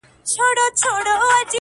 • هله بهیاره بیا له دې باغه مېوې وباسو..